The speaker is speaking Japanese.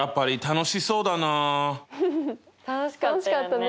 楽しかったよね。